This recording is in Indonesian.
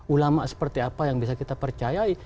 ulama seperti apa yang bisa kita percayai